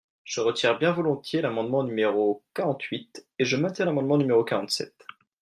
Je retire bien volontiers l’amendement numéro quarante-huit, et je maintiens l’amendement numéro quarante-sept.